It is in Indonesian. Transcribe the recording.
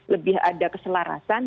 lebih ada keselarasan